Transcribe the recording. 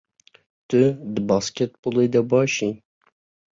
Tu di basketbolê de baş î?